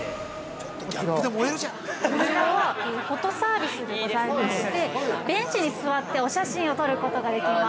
◆こちらはフォトサ―ビスでございましてベンチに座ってお写真を撮ることができます。